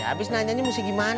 ya abis nanyainnya mesti gimana